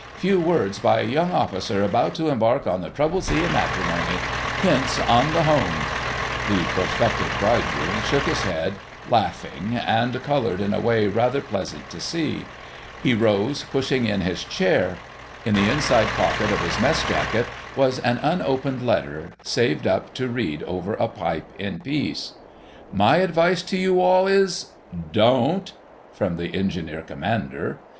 Few words by a young officer about to embark on the troubled sea of matrimony. Hints on the Home——" The prospective bridegroom shook his head, laughing, and coloured in a way rather pleasant to see. He rose, pushing in his chair. In the inside pocket of his mess jacket was an unopened letter, saved up to read over a pipe in peace, "My advice to you all is——" "'Don't,'" from the Engineer Commander.